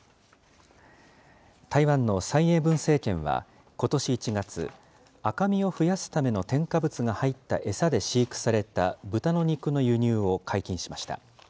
台湾の蔡英文政権は、ことし１月、赤身を増やすための添加物が入った餌で飼育された豚の肉の輸入を解禁しました。